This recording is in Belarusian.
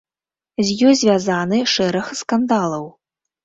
З ёй звязаны шэраг скандалаў.